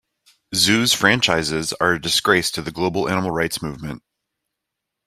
Zoos franchises are a disgrace to the global animal rights movement.